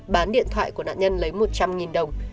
bán điện thoại của nạn nhân lấy một trăm linh đồng